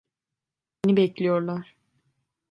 Beni bekliyorlar.